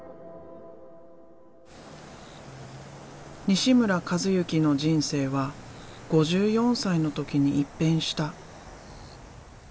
西村一幸の人生は５４歳の時に一変した。